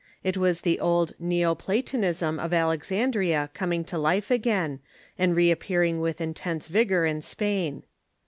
It was the old neo Platonism of Alexan dria coming to life again, and reappearing with intense vigor in Spain.